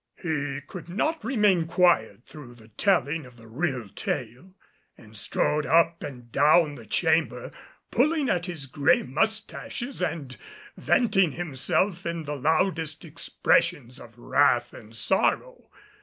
He could not remain quiet through the telling of the real tale and strode up and down the chamber pulling at his gray mustaches and venting himself in the loudest expressions of wrath and sorrow.